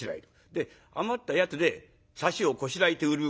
で余ったやつで緡をこしらえて売る。